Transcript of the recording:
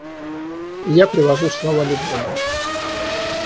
Я привожу слова Лебона.